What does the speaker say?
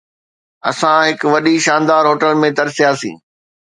اسان هڪ وڏي شاندار هوٽل ۾ ترسياسين.